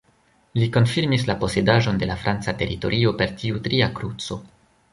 Li konfirmis la posedaĵon de la franca teritorio per tiu tria kruco.